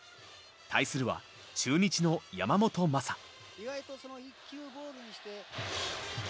対するは中日の山本昌。